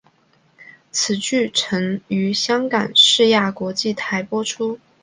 此剧曾于香港亚视国际台播出。